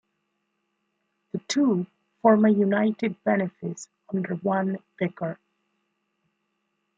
The two form a united benefice under one vicar.